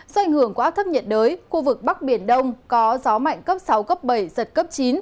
do ảnh hưởng của áp thấp nhiệt đới khu vực bắc biển đông có gió mạnh cấp sáu cấp bảy giật cấp chín